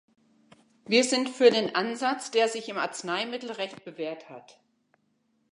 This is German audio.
Wir sind für den Ansatz, der sich im Arzneimittelrecht bewährt hat.